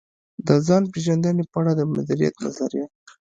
د ځان پېژندنې په اړه د مديريت نظريه.